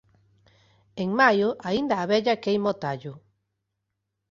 En maio aínda a vella queima o tallo